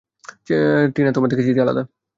টিনা তোমার চিঠি থেকে আলাদা।